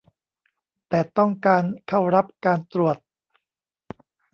แต่ต้องการเข้ารับการตรวจ